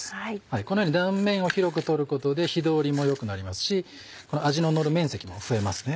このように断面を広く取ることで火通りもよくなりますし味ののる面積も増えますね。